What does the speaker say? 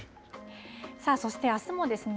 さあ、そしてあすもですね